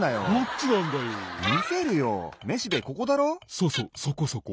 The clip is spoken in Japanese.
そうそうそこそこ。